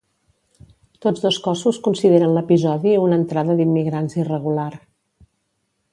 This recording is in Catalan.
Tots dos cossos consideren l’episodi una entrada d’immigrants irregular.